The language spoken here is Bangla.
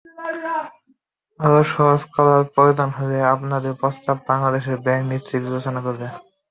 আরও সহজ করার প্রয়োজন হলে আপনাদের প্রস্তাব বাংলাদেশ ব্যাংক নিশ্চয়ই বিবেচনা করবে।